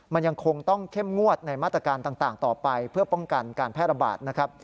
มันยังคงต้องเข้มงวดในมาตรการต่างต่อไปเพื่อป้องกันการแพร่ระบาดนะครับ